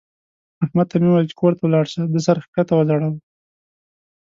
احمد ته مې وويل چې کور ته ولاړ شه؛ ده سر کښته وځړاوو.